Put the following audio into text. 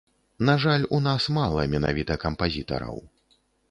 На жаль, у нас мала менавіта кампазітараў.